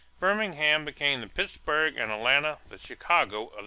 Birmingham became the Pittsburgh and Atlanta the Chicago of the South.